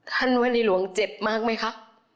ท่านว่าในหลวงเจ็บมากไหมคะ